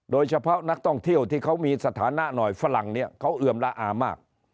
โดยเฉพาะนักท่องเที่ยวที่เขามีสถานะหน่อยฝรั่งเนี่ยเขาเอือมละอามาก